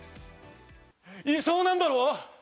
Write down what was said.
いそうなんだろ？